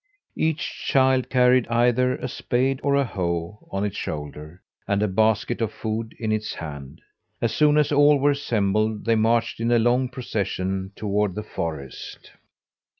Each child carried either a spade or a hoe on its shoulder, and a basket of food in its hand. As soon as all were assembled, they marched in a long procession toward the forest.